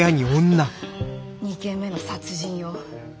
２件目の殺人よ。